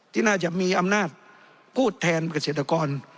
ที่น่าจะมีอำนาจพูดแทนเกษตรกร